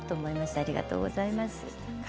ありがとうございます。